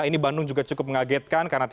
ini bandung juga cukup mengagetkan